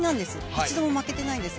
一度も負けてないんです。